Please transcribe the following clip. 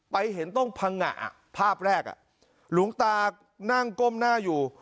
เห็นต้องพังงะภาพแรกหลวงตานั่งก้มหน้าอยู่